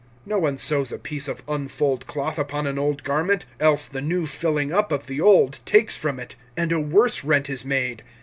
(21)No one sews a piece of unfulled cloth upon an old garment; else the new filling up of the old takes from it, and a worse rent is made.